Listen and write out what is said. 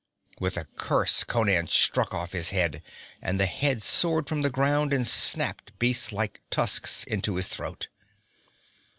With a curse Conan struck off his head; and the head soared from the ground and snapped beast like tusks into his throat.